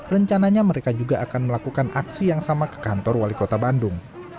rencananya mereka juga akan melakukan aksi yang sama ke kantor wali kota bandung